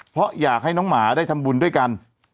เพราะอยากให้น้องหมาได้ทำบุญด้วยกัน